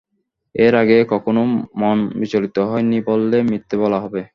এর আগে কখনো মন বিচলিত হয় নি বললে মিথ্যে বলা হবে।